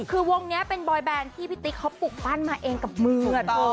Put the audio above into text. คือวงนี้เป็นบอยแบนที่พี่ติ๊กเขาปลูกปั้นมาเองกับมือ